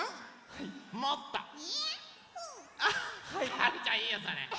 はるちゃんいいよそれ。